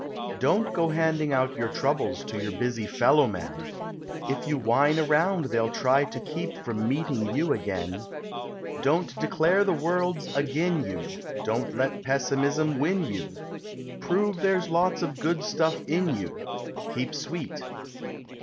Don't go handing out your troubles to your busy fellow men If you whine around they'll try to keep from meeting you again; Don't declare the world's "agin" you, Don't let pessimism win you, Prove there's lots of good stuff in you Keep sweet.